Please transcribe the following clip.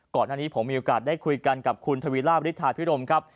ก่อนหน้านี้ผมมีโอกาสได้คุยกันกับคุณทวีราบฤทธาพิรมครับ